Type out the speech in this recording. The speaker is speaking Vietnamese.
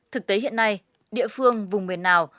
thực tế hiện nay địa phương vùng miền nào